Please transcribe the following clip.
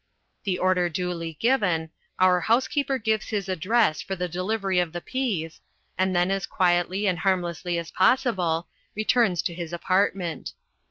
The order duly given, our housekeeper gives his address for the delivery of the peas, and then, as quietly and harmlessly as possible, returns to his apartment.